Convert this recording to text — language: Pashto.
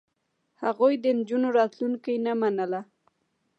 هغوی د نجونو راتلونکې نه منله.